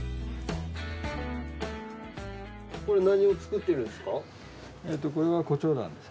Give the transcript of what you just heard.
これ何を作っているんですか？